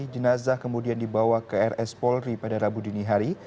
jenazah kemudian dibawa ke rs polri pada rabu dini hari